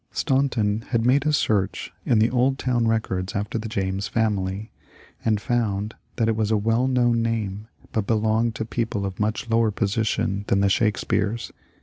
Staunton had made a search in the old town records after the James family, and found that it was a well known name but belonged to people of much lower position than the Shakespeares.